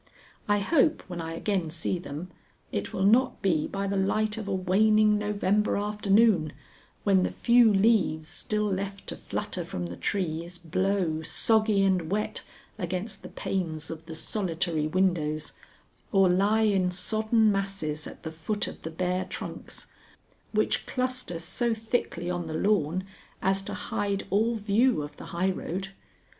I hope when I again see them, it will not be by the light of a waning November afternoon, when the few leaves still left to flutter from the trees blow, soggy and wet, against the panes of the solitary windows, or lie in sodden masses at the foot of the bare trunks, which cluster so thickly on the lawn as to hide all view of the highroad.